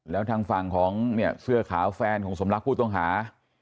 แล้วทางฝั่งของเนี่ยเสื้อขาวแฟนของสมรักผู้ต้องหา